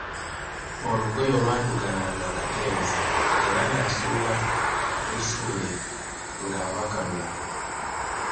Olugoye olwaddugalanga nga tayoza era nga asuula lusuule, ng'abaka lulala.